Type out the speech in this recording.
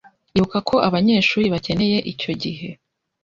Ibuka ko abanyeshuri bakeneye icyo gihe